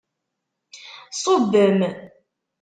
Ṣṣubem!